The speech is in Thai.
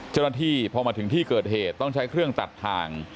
เจ้าหน้าที่พอมาถึงที่เกิดเหตุต้องใช้เครื่องตัดทาง